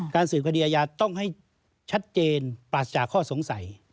สืบคดีอาญาต้องให้ชัดเจนปราศจากข้อสงสัย